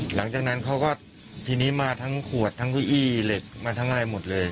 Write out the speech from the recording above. หลังจากนั้นเขาก็ทีนี้มาทั้งขวดทั้งเก้าอี้เหล็กมาทั้งอะไรหมดเลย